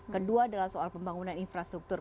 kedua adalah soal pembangunan infrastruktur